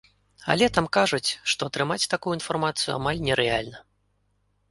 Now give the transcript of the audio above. Але там кажуць, што атрымаць такую інфармацыю амаль нерэальна.